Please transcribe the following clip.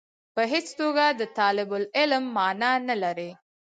په هېڅ توګه د طالب العلم معنا نه لري.